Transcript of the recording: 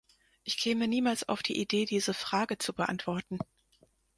Ich käme niemals auf die Idee, diese Frage zu beantworten.